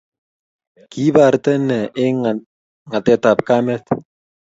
Kiibarte inne eng ngetet ab kamet